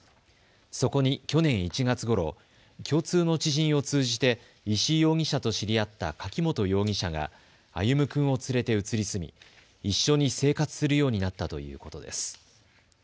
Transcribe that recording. そこに去年１月ごろ、共通の知人を通じて石井容疑者と知り合った柿本容疑者が歩夢君を連れて移り住み一緒に生活するようになったということです。